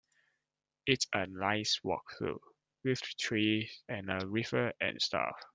It's a nice walk though, with trees and a river and stuff.